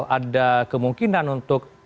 ada kemungkinan untuk